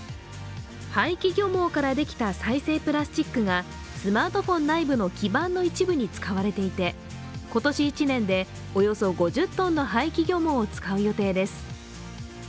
廃棄漁網からできた再生プラスチックがスマートフォン内部の基板の一部に使われていて今年１年でおよそ５０ｔの廃棄漁網を使う予定です。